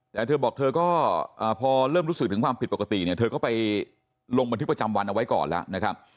แต่เธอบอกเธอก็พอเริ่มรู้สึกถึงความผิดปกติเนี่ยเธอก็ไปลงบันทึกประจำวันเอาไว้ก่อนแล้วนะครับ